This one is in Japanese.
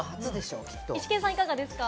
イシケンさん、いかがですか？